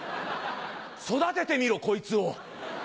育ててみろこいつを。